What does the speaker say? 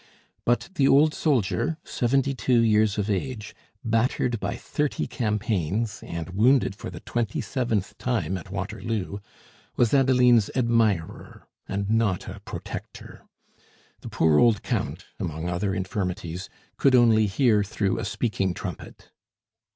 But the old soldier, seventy two years of age, battered by thirty campaigns, and wounded for the twenty seventh time at Waterloo, was Adeline's admirer, and not a "protector." The poor old Count, among other infirmities, could only hear through a speaking trumpet.